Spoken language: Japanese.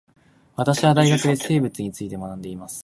私は大学で生物について学んでいます